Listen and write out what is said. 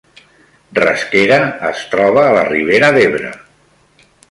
Rasquera es troba a la Ribera d’Ebre